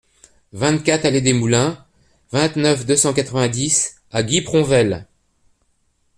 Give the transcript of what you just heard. vingt-quatre allée des Moulins, vingt-neuf, deux cent quatre-vingt-dix à Guipronvel